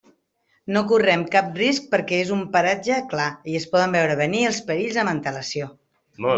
No correm cap risc perquè és un paratge clar i es poden veure venir els perills amb antelació.